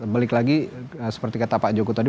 balik lagi seperti kata pak joko tadi